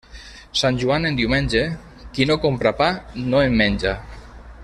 Sant Joan en diumenge, qui no compra pa no en menja.